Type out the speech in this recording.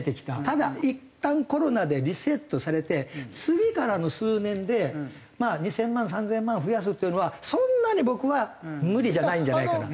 ただいったんコロナでリセットされて次からの数年でまあ２０００万３０００万増やすというのはそんなに僕は無理じゃないんじゃないかな。